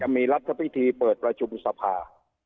มีรัฐพิธีเปิดประชุมสภา